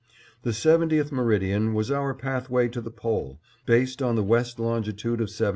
The seventieth meridian was our pathway to the Pole, based on the west longitude of 70°.